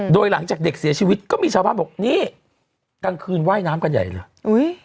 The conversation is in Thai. โดยหลังจากเด็กเสียชีวิตก็มีชาวบ้านบอกนี่กลางคืนว่ายน้ำกันใหญ่เลย